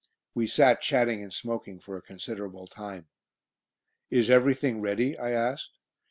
We sat chatting and smoking for a considerable time. "Is everything ready?" I asked.